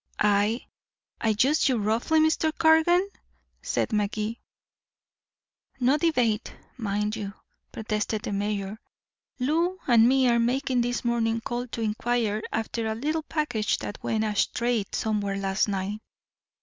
"I I used you roughly, Mr. Cargan?" said Magee. "No debate, mind you," protested the mayor. "Lou and me are making this morning call to inquire after a little package that went astray somewhere last night.